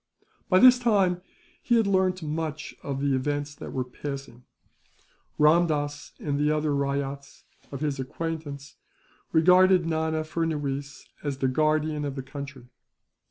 By this time, he had learnt much of the events that were passing. Ramdass and the other ryots of his acquaintance regarded Nana Furnuwees as the guardian of the country.